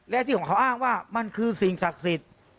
และที่ของเขาอ้างว่ามันคือสิ่งศักดิ์สิทธิ์